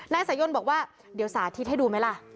นายสายนบอกว่าเดี๋ยวสาธิตให้ดูไหมล่ะ